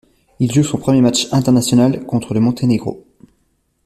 Il joue son premier match international contre le Monténégro.